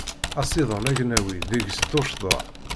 Asiḍen agnawi degs tuccḍa.